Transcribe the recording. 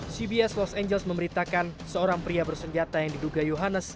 cbs los angeles memberitakan seorang pria bersenjata yang diduga yohannes